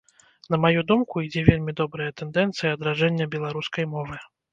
На маю думку, ідзе вельмі добрая тэндэнцыя адраджэння беларускай мовы.